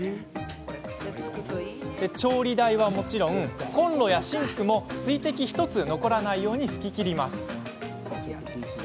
調理台はもちろんコンロやシンクも水滴一つ残らないように拭ききります。